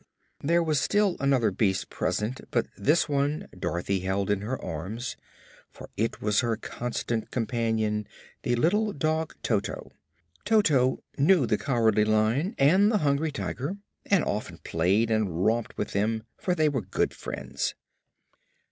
There was still another beast present, but this one Dorothy held in her arms, for it was her constant companion, the little dog Toto. Toto knew the Cowardly Lion and the Hungry Tiger and often played and romped with them, for they were good friends.